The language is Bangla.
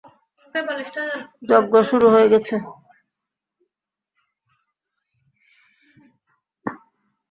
যজ্ঞ শুরু হয়ে গেছে!